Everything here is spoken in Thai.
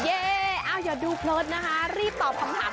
เอ้าอย่าดูเพลิดนะคะรีบตอบคำถามกันด้วย